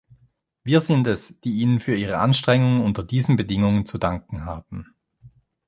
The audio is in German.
Wir sind es, die Ihnen für Ihre Anstrengungen unter diesen Bedingungen zu danken haben.